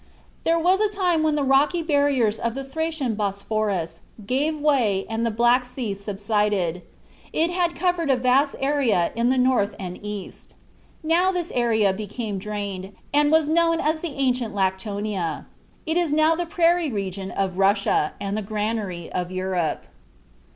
There was a time when the rocky barriers of the Thracian Bosphorus gave way and the Black Sea subsided. It had covered a vast area in the north and east. Now this area became drained, and was known as the ancient Lectonia: it is now the prairie region of Russia, and the granary of Europe."